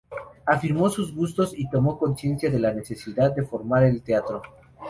Afirmó sus gustos y tomó conciencia de la necesidad de reformar el teatro.